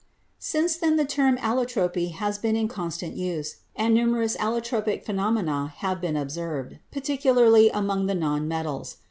Since then the term allotropy has been in constant use, and numerous allotropic phenomena have been observed, 264 CHEMISTRY particularly among the non metals.